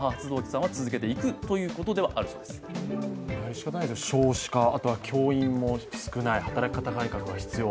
仕方ないですね、少子化、教員も少ない、働き方改革が必要